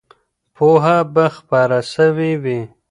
پوهه به خپره سوې وي.